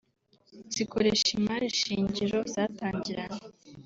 zikoresha imari shingiro zatangiranye